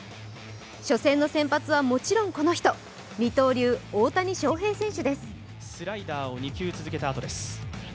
初戦の先発はもちろんこの人、二刀流・大谷翔平選手です。